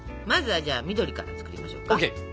まずはじゃあ緑から作りましょうか。